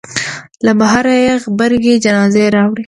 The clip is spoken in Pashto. له بهره یې غبرګې جنازې راوړې.